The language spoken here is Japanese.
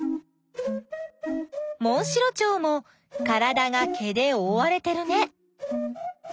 モンシロチョウもからだが毛でおおわれてるね。